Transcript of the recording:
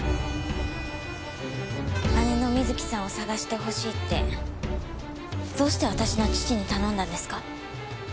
姉の瑞希さんを捜してほしいってどうして私の父に頼んだんですか？